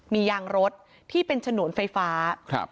มียางรถที่เป็นฉนวนไฟฟ้าครับ